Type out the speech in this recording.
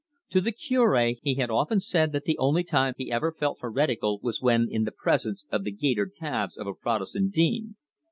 To the Cure he had often said that the only time he ever felt heretical was when in the presence of the gaitered calves of a Protestant dean.